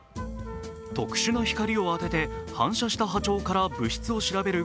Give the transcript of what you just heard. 特殊な光を当てて反射した波長から物質を調べる